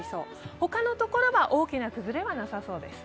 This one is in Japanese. ほかのところは大きな崩れはなさそうです。